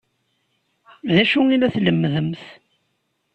D acu ay la tlemmdemt?